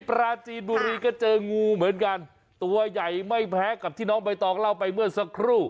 ปราจีนบุรีก็เจองูเหมือนกันตัวใหญ่ไม่แพ้กับที่น้องใบตองเล่าไปเมื่อสักครู่